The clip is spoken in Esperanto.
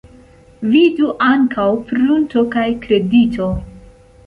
Vidu ankaŭ prunto kaj kredito.